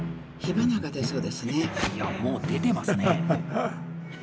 いや、もう出てますね。